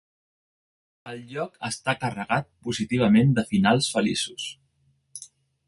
El lloc està carregat positivament de finals feliços.